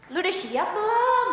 lu udah siap belum